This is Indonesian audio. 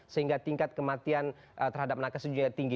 sehingga tingkat kematian terhadap nakes sejujurnya tinggi